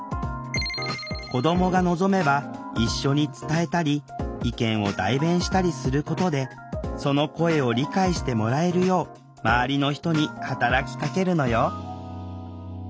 子どもが望めば一緒に伝えたり意見を代弁したりすることでその声を理解してもらえるよう周りの人に働きかけるのよ